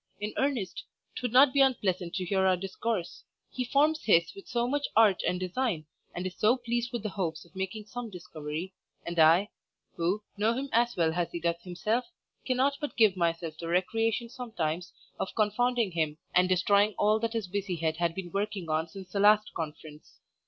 In earnest, 'twould not be unpleasant to hear our discourse. He forms his with so much art and design, and is so pleased with the hopes of making some discovery, and I [who] know him as well as he does himself, cannot but give myself the recreation sometimes of confounding him and destroying all that his busy head had been working on since the last conference.